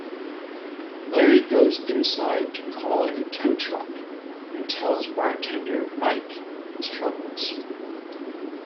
Larry goes inside to call a tow truck, and tells bartender Mike his troubles.